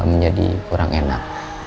menjadi kurang enak